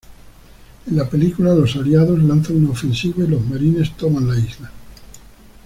En la película, los aliados lanzan una ofensiva y los marines toman la isla.